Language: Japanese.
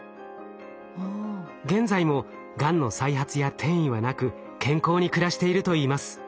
現在もがんの再発や転移はなく健康に暮らしているといいます。